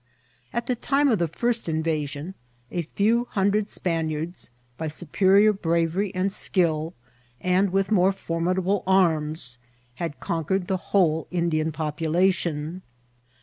At the time of the first invasioa STATS OF THX COVNTET. 9M a few hundred SpaniardSi by superior bravery and AHl^ and with more formidable arms, had conquered the whole Indian population.